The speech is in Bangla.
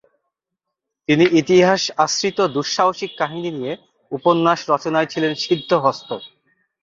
তিনি ইতিহাস আশ্রিত দুঃসাহসিক কাহিনী নিয়ে উপন্যাস রচনায় ছিলেন সিদ্ধহস্ত।